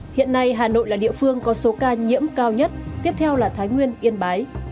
hiện nay hà nội là địa phương có số ca nhiễm cao nhất tiếp theo là thái nguyên yên bái